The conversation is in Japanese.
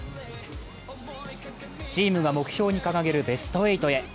チームが目標に掲げるベスト８へ。